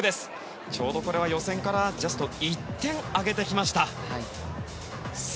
ちょうど予選からジャスト１点上げてきました。